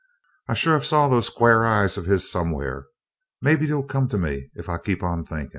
"I shore have saw them quare eyes of his somewhur. Maybe it'll come to me if I keep on thinkin'."